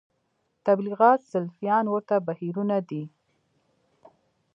تبلیغیان سلفیان ورته بهیرونه دي